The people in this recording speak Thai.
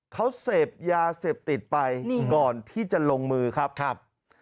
เขาเสพยาเสพติดไปก่อนที่จะลงมือครับครับ